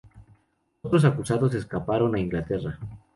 Otros acusados escaparon a Inglaterra.